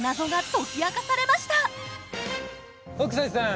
北斎さん